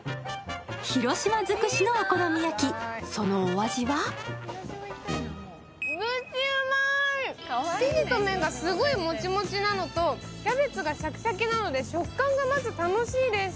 広島尽くしのお好み焼き、そのお味は生地と麺がすごいもちもちなのとキャベツがシャキシャキなので食感が楽しいです。